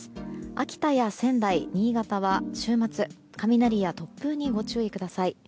秋田や仙台、新潟は週末、雷や突風にご注意ください。